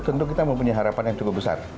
tentu kita mempunyai harapan yang cukup besar